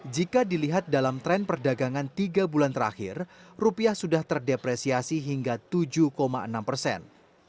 jika dilihat dalam tren perdagangan tiga bulan terakhir rupiah sudah terdepresiasi hingga tujuh enam persen